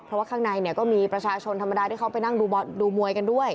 เพราะว่าข้างในก็มีประชาชนธรรมดาที่เข้านั่งไปดูมวยด้วย